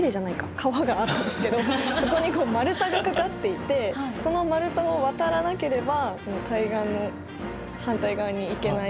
川があるんですけどそこに丸太がかかっていてその丸太を渡らなければその対岸の反対側に行けない。